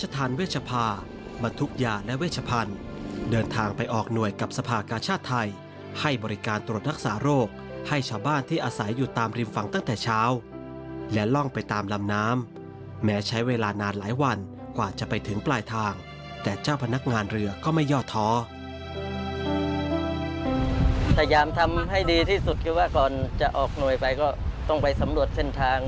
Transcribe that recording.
พยายามทำให้ดีที่สุดคือว่าก่อนจะออกหน่วยไปก็ต้องไปสำรวจเส้นทาง